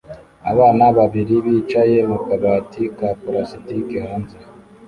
Abana babiri bicaye mu kabati ka plastiki hanze